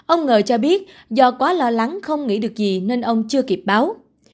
ông ngờ cho biết do quá lo lắng không nghĩ được gì nên ông chưa kịp báo